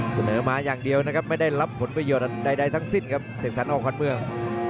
เสนอมาอย่างเดียวนะครับไม่ได้รับผลประโยชน์ใดทั้งสิ้นครับเสกสรรออกขวัญเมือง